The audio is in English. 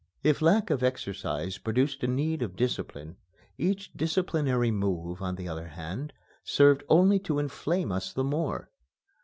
If lack of exercise produced a need of discipline, each disciplinary move, on the other hand, served only to inflame us the more.